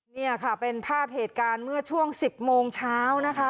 นี่ค่ะเป็นภาพเหตุการณ์เมื่อช่วง๑๐โมงเช้านะคะ